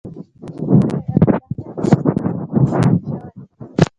ویې ویل: دا دی هغه ځوان دی چې زخمي شوی.